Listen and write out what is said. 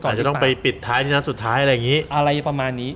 ก็จะต้องไปปิดท้ายที่นัดสุดท้ายอะไรอย่างงี้